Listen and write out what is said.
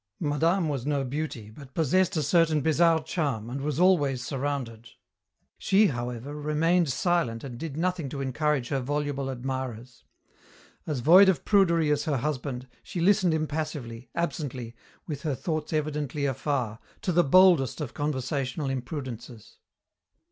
Madame was no beauty, but possessed a certain bizarre charm and was always surrounded. She, however, remained silent and did nothing to encourage her voluble admirers. As void of prudery as her husband, she listened impassively, absently, with her thoughts evidently afar, to the boldest of conversational imprudences.